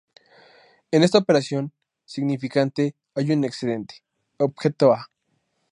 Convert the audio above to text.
En esta operación significante hay un excedente: objeto a.